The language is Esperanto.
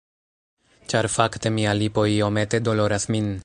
Ĉar fakte mia lipo iomete doloras min.